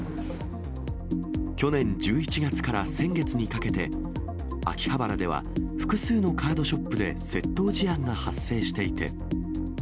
去年１１月から先月にかけて、秋葉原では複数のカードショップで窃盗事案が発生していて。